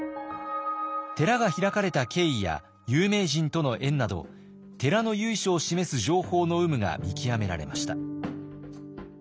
寺が開かれた経緯や有名人との縁など寺の由緒を示す情報の有無が見極められました。